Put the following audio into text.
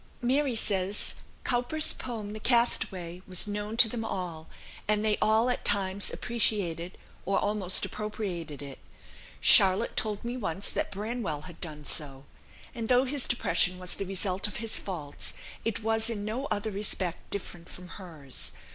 "Mary" says: "Cowper's poem, 'The Castaway,' was known to them all, and they all at times appreciated, or almost appropriated it. Charlotte told me once that Branwell had done so; and though his depression was the result of his faults, it was in no other respect different from hers.